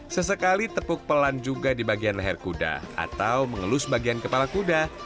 sesekali tepuk pelan juga di bagian leher kuda atau mengelus bagian kepala kuda